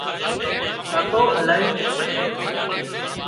ڪاڪو الاهي مشهور سي